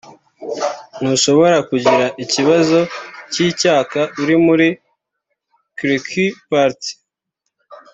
ntushobora kugira ikibazo cy'icyaka uri muri Quelque part